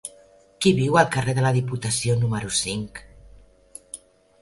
Qui viu al carrer de la Diputació número cinc?